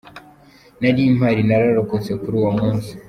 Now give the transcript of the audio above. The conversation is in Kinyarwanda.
Nari mpari nararokotse kuri uwo munsi.